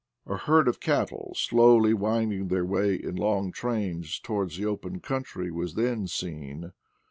A herd of cattle, slowly winding their way in long trains towards the open country, was then seen.